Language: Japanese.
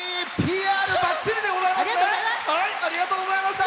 ばっちりでございます！